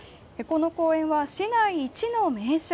この公園は、市内一の名所。